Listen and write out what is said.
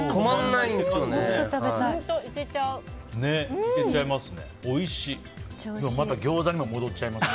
いけちゃいますね。